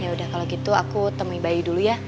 yaudah kalo gitu aku temui bayu dulu ya